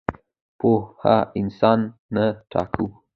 پوهه اساس نه وټاکو.